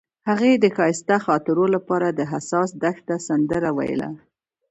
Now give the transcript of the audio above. هغې د ښایسته خاطرو لپاره د حساس دښته سندره ویله.